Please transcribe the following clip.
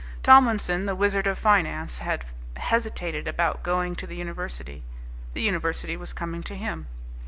Tomlinson, the Wizard of Finance, had hesitated about going to the university. The university was coming to him.